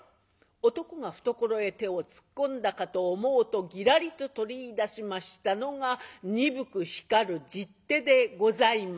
男が懐へ手を突っ込んだかと思うとぎらりと取りいだしましたのが鈍く光る十手でございます。